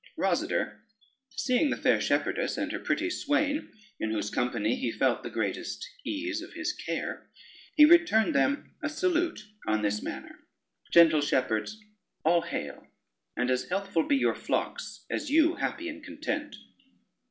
Rosader, seeing the fair shepherdess and her pretty swain in whose company he felt the greatest ease of his care, he returned them a salute on this manner: "Gentle shepherds, all hail, and as healthful be your flocks as you happy in content.